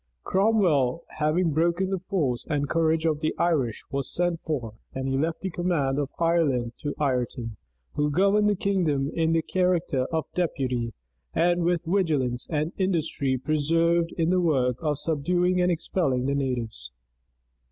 Cromwell, having broken the force and courage of the Irish, was sent for; and he left the command of Ireland to Ireton, who governed that kingdom in the character of deputy, and with vigilance and industry persevered in the work of subduing and expelling the natives.